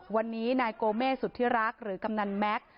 วันนี้นายโกเมสุธิรักษ์หรือกำนันแม็กซ์